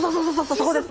そこです！